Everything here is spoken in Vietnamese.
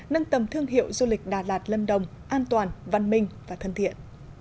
nâng tầm thương hiệu du lịch đà lạt lâm đồng an toàn văn minh và thân thiện